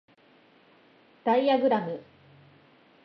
ダイアグラム